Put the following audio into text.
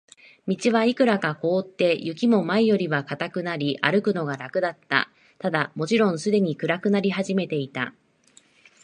道はいくらか凍って、雪も前よりは固くなり、歩くのが楽だった。ただ、もちろんすでに暗くなり始めていた。